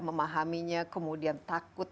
memahaminya kemudian takut